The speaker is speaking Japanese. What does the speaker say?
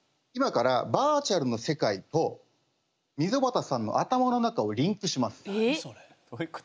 今からバーチャルの世界と溝端さんの頭の中をリンクします。